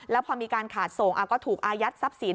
แล้วพอมีการขาดส่งก็ถูกอายัดทรัพย์สิน